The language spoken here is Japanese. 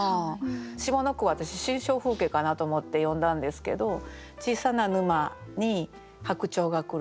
下の句私心象風景かなと思って読んだんですけどちいさな沼に白鳥がくる。